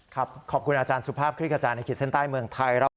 ขอบคุณอาจารย์สุภาพคลิกกระจายในขีดเส้นใต้เมืองไทย